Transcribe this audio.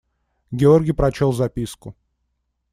Георгий прочел записку.